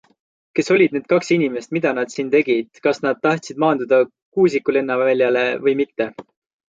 Kes olid need kaks inimest, mida nad siin tegid, kas nad tahtsid maanduda Kuusiku lennuväljale või mitte.